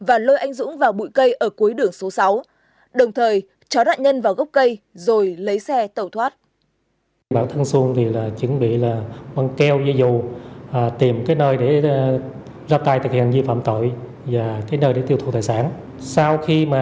anh dũng lại và lôi anh dũng vào bụi cây ở cuối đường số sáu